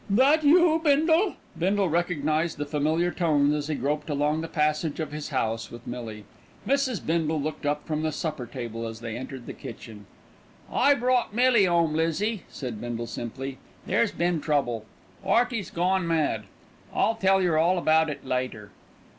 "That you, Bindle?" Bindle recognised the familiar tones as he groped along the passage of his house with Millie. Mrs. Bindle looked up from the supper table as they entered the kitchen. "I brought Millie 'ome, Lizzie," said Bindle simply. "There's been trouble. 'Earty's gone mad. I'll tell yer all about it later."